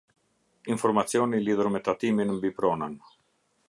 Informacioni lidhur me tatimin mbi pronën.